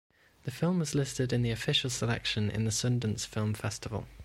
The film was listed in the official selection in the Sundance Film Festival.